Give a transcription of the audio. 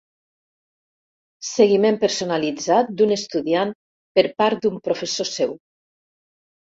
Seguiment personalitzat d'un estudiant per part d'un professor seu.